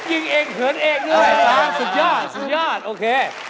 ยิ่งเอกเหินเอกด้วยสุดยอดโอเค